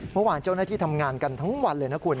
เมื่อวานเจ้าหน้าที่ทำงานกันทั้งวันเลยนะคุณ